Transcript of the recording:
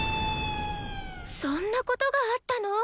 そんなことがあったの？